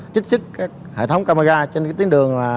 trích sức hệ thống camera trên tiếng đường